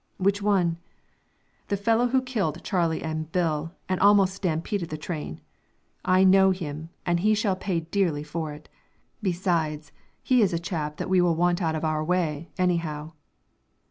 "Which one?" "The fellow who killed Charlie and Bill, and almost stampeded the train. I know him, and he shall pay dearly for it. Besides, he is a chap that we want out of our way, anyhow."